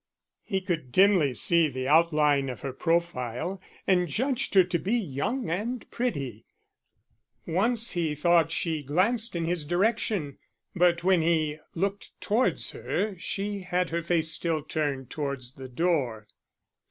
He could dimly see the outline of her profile, and judged her to be young and pretty. Once he thought she glanced in his direction, but when he looked towards her she had her face still turned towards the door.